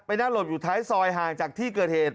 นั่งหลบอยู่ท้ายซอยห่างจากที่เกิดเหตุ